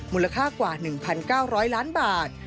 มูลค่ากว่า๑๙๐๐ล้านบาท